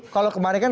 kalau kemarin kan